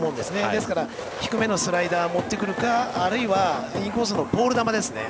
ですから低めのスライダーを持ってくるか、あるいはインコースのボール球ですね。